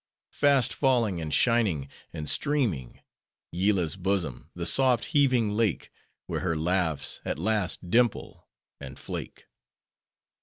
Fast falling, and shining, and streaming:— Yillah's bosom, the soft, heaving lake, Where her laughs at last dimple, and flake!